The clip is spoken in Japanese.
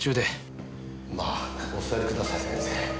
まあお座りください先生。